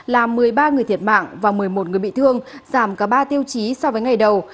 làm một mươi ba người thiệt mạng và một mươi một người bị thương giảm cả ba tiêu chí so với ngày đầu